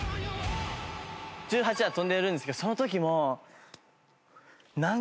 １８段跳んでるんですけどその時も。